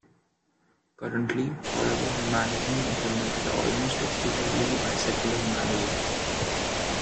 Currently, however, humanism is dominated almost exclusively by secular humanism.